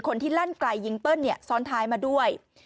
คนที่ลั่นไกลยิงเปิ้ลเนี่ยซ้อนท้ายมาด้วย